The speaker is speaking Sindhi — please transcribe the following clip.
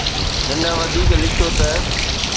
هن وڌيڪ لکيو ته